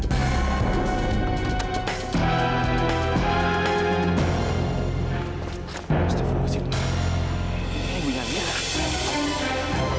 astagfirullahaladzim ini ibunya amir